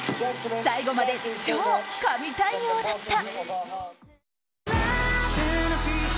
最後まで超神対応だった。